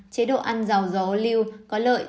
chế độ ăn dầu dầu ô lưu có lợi